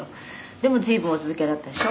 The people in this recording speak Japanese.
「でも随分お続けになったでしょ」